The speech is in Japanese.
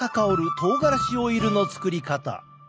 とうがらしオイルの作り方。